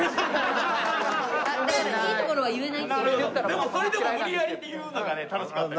でもそれでも無理やりに言うのがね楽しかったり。